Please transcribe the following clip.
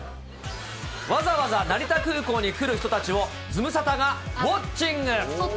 わざわざ成田空港に来る人たちをズムサタがウォッチング。